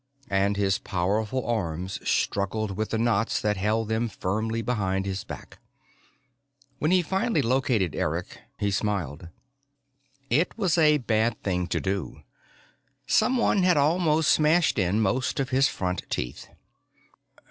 And his powerful arms struggled with the knots that held them firmly behind his back. When he finally located Eric, he smiled. It was a bad thing to do. Someone had also smashed in most of his front teeth.